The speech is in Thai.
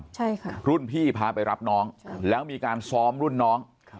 ใช่ค่ะรุ่นพี่พาไปรับน้องแล้วมีการซ้อมรุ่นน้อง